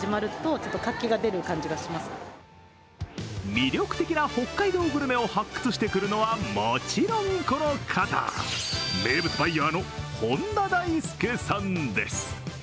魅力的な北海道グルメを発掘してくるのはもちろんこの方、名物バイヤーの本田大助さんです。